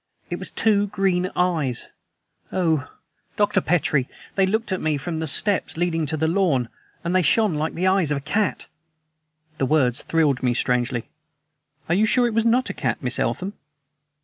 It was two green eyes! Oh! Dr. Petrie, they looked up at me from the steps leading to the lawn. And they shone like the eyes of a cat." The words thrilled me strangely. "Are you sure it was not a cat, Miss Eltham?"